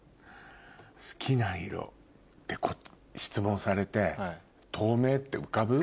好きな色って質問されて透明って浮かぶ？